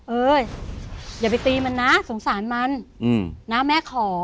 เอ้ยอย่าไปตีมันนะสงสารมันนะแม่ขอ